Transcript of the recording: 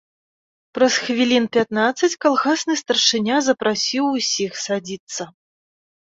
Праз хвілін пятнаццаць калгасны старшыня запрасіў усіх садзіцца.